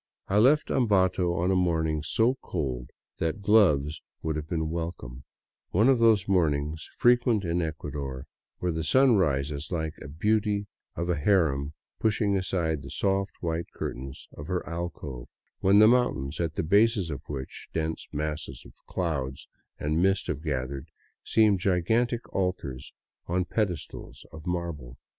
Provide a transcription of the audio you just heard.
I left Ambato on a morning so cold that gloves would have been wel come ; one of those mornings, frequent in Ecuador, when the sun rises like a beauty of the harem pushing aside the soft, white curtains of her alcove, when the mountains, at the bases of which dense masses of clouds and mist have gathered, seem gigantic altars on pedestals of marble.